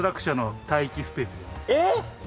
えっ？